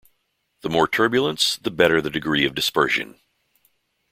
The more turbulence, the better the degree of dispersion.